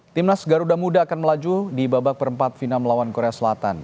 timnas garuda muda akan melaju di babak perempat final melawan korea selatan